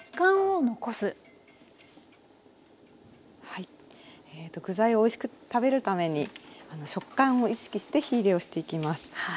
はい具材をおいしく食べるために食感を意識して火入れをしていきます。